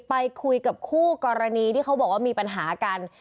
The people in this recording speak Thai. ไปคุยกับคู่กรณีที่เขาบอกว่ามีปัญหากัน